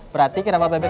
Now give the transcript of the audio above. berarti ke rawa bebek tiga